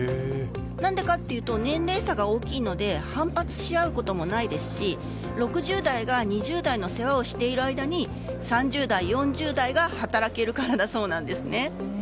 何でかというと年齢差が大きいので反発し合うこともないですし６０代が２０代の世話をしている間に３０代、４０代が働けるからだそうなんですね。